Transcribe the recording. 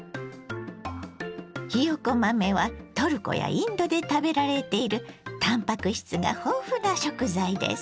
ひよこ豆はトルコやインドで食べられているたんぱく質が豊富な食材です。